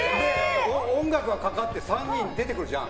音楽がかかって３人で出てくるじゃん。